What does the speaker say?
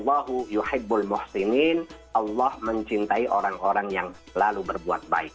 allah mencintai orang orang yang lalu berbuat baik